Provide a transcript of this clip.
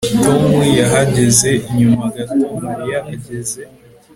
Tom yahageze nyuma gato Mariya ageze